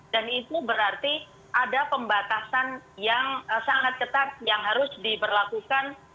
dan itu berarti ada pembatasan yang sangat ketat yang harus diberlakukan